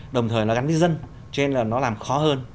đồng thời nó gắn với dân cho nên là nó làm khó hơn